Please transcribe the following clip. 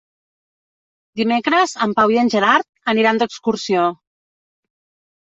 Dimecres en Pau i en Gerard aniran d'excursió.